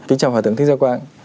kính chào hòa thượng thích gia quang